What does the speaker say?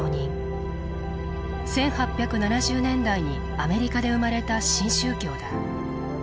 １８７０年代にアメリカで生まれた新宗教だ。